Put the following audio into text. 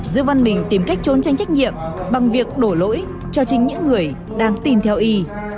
dương văn mình tìm cách trốn tranh trách nhiệm bằng việc đổ lỗi cho chính những người đang tìm theo ý